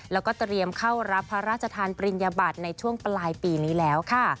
แล้วก็เตรียมเข้ารับพระราชทานปริญญบัตรในช่วงปลายปีนี้แล้วค่ะ